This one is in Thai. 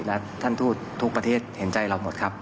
และท่านทูตทุกประเทศเห็นใจเราหมดครับ